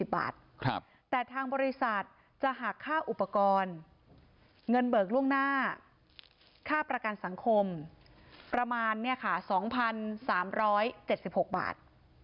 แต่ทางบริษัทจะหักค่าอุปกรณ์เงินเบิกล่วงหน้าค่าประกันสังคมประมาณ๒๓๗๖บาท